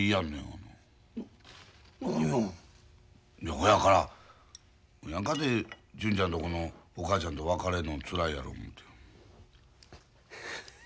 ほやからおいやんかて純ちゃんとこのお母ちゃんと別れんのつらいやろ思て。